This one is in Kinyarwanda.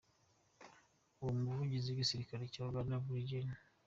Ubwo umuvugizi w’igisirikare cya Uganda, Brig.